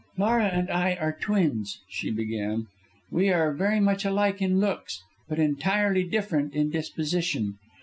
"Laura and I are twins," she began. "We are very much alike in looks, but entirely different in disposition.